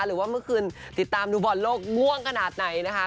หรือว่าเมื่อคืนติดตามดูบอลโลกม่วงขนาดไหนนะคะ